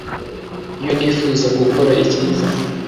iyo nifuza gukora icyiza